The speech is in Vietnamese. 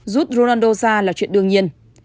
rút ronaldo ra là chuyện đương nhiên